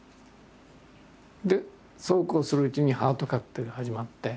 でそうこうするうちに「ハートカクテル」が始まって。